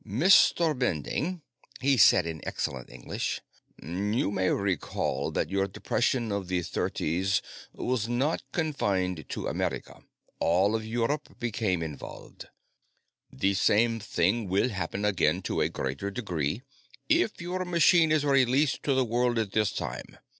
"Mr. Bending," he said in excellent English, "you may recall that your depression of the Thirties was not confined to America. All of Europe became involved. The same will happen again, to a greater degree, if your machine is released to the world at this time."